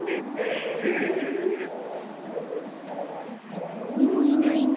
どこにもいないね。